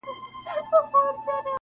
د زلفو عطر دي د خیال له شبستانه نه ځي -